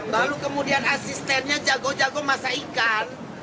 lalu kemudian asistennya jago jago masak ikan